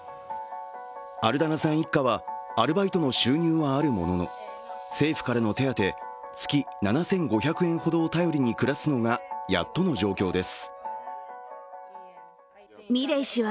アルダナさん一家はアルバイトの収入はあるものの政府からの手当月７５００円ほどを頼りに暮らすのがやっとの状況です。